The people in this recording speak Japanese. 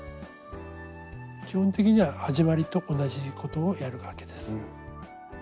基本的には始まりと同じことをやるわけです。